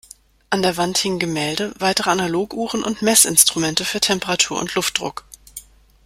An der Wand hingen Gemälde, weitere Analoguhren und Messinstrumente für Temperatur und Luftdruck.